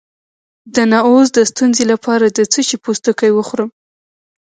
د نعوظ د ستونزې لپاره د څه شي پوستکی وخورم؟